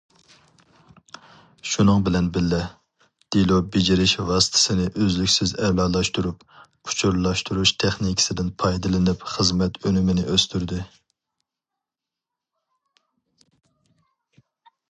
شۇنىڭ بىلەن بىللە، دېلو بېجىرىش ۋاسىتىسىنى ئۈزلۈكسىز ئەلالاشتۇرۇپ، ئۇچۇرلاشتۇرۇش تېخنىكىسىدىن پايدىلىنىپ خىزمەت ئۈنۈمىنى ئۆستۈردى.